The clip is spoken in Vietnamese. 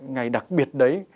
ngày đặc biệt đấy